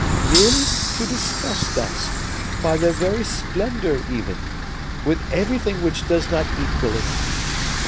merely to disgust us, by their very splendor even, with everything which does not equal it!